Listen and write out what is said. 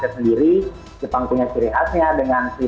film film jepang tentunya yang paling menarik meragikan ked